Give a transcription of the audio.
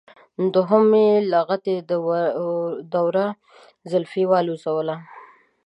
دوهمې لغتې د وره زولفی والوزوله.